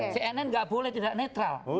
cnn nggak boleh tidak netral